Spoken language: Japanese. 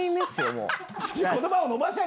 もう。